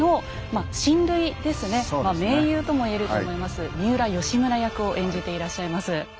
まあ盟友とも言えると思います三浦義村役を演じていらっしゃいます。